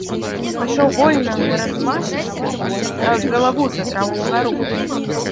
Пайшоў вольна, размашыста, нават галаву задраў угару.